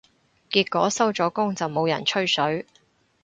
結果收咗工就冇人吹水